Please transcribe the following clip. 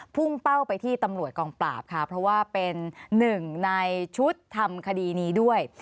พุ่งเป้าไปที่ตำรวจกองปราบค่ะเพราะว่าเป็นหนึ่งในชุดทำคดีนี้ด้วย